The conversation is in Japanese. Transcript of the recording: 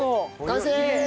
完成！